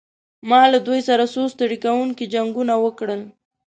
ما له دوی سره څو ستړي کوونکي جنګونه وکړل.